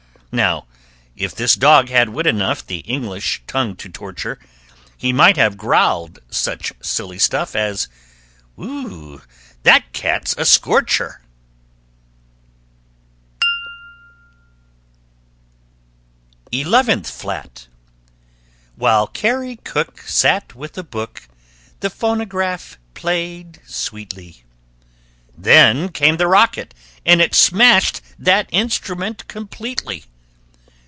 Now, if this dog had wit enough The English tongue to torture, He might have growled such silly stuff As, "Whew! that cat's a scorcher!" [Illustration: TENTH FLAT] ELEVENTH FLAT While Carrie Cook sat with a book The phonograph played sweetly. Then came the rocket and it smashed That instrument completely.